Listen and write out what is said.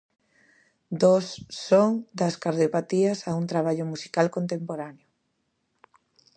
Dos son das cardiopatías a un traballo musical contemporáneo.